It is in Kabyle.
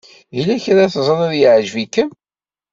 Yella kra teẓrid yeɛjeb-ikem?